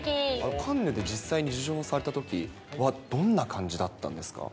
カンヌで実際に受賞されたときはどんな感じだったんですか？